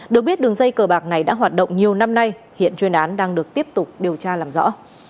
được biết đường dây cờ bạc này đã hoạt động nhiều năm nay hiện chuyên án đang được tiếp tục điều tra làm rõ